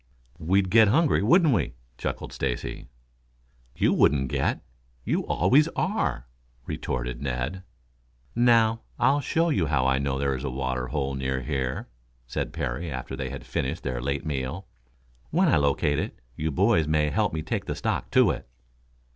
"We'd get hungry, wouldn't we?" chuckled Stacy. "You wouldn't get. You always are," retorted Ned. "Now, I'll show you how I know there is a water hole near here," said Parry after they had finished their late meal. "When I locate it, you boys may help me take the stock to it."